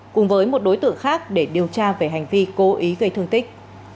cùng với một đối tượng khác để điều tra về hành vi cố ý gây thương tích